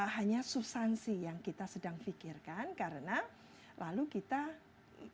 hanya subsansi yang kita sedang fikirkan karena lalu kita masih dalam tatapan